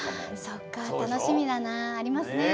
そっかたのしみだなありますね。